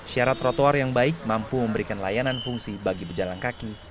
syarat trotoar yang baik mampu memberikan layanan fungsi bagi pejalan kaki